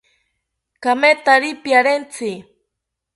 Kamethari piarentzi